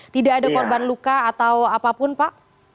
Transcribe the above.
tidak ada korban luka atau apapun pak